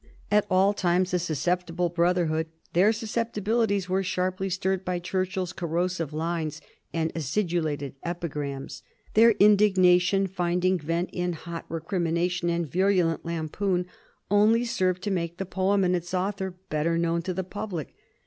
At all times a susceptible brotherhood, their susceptibilities were sharply stirred by Churchill's corrosive lines and acidulated epigrams. Their indignation finding vent in hot recrimination and virulent lampoon only served to make the poem and its author better known to the public.